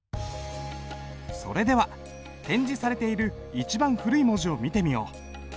それでは展示されている一番古い文字を見てみよう。